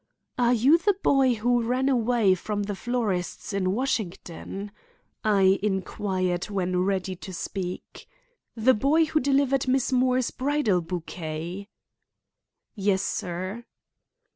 "Are you the boy who ran away from the florist's in Washington?" I inquired when ready to speak. "The boy who delivered Miss Moore's bridal bouquet?" "Yes, sir."